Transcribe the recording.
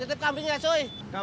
eh mas es dawetnya satu dong